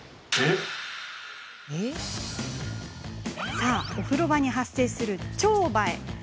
さあ、お風呂場に発生するチョウバエ